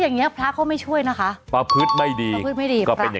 อ๋อจะตีเมียลูกเมียจะตีหรือเปล่านะนั่นเนี้ยมันเอาไปทิ้งเลย